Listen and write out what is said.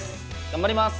頑張ります！